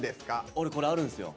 俺これあるんすよ！